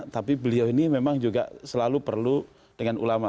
tapi beliau ini memang juga selalu perlu dengan ulama